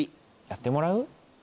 やってもらう？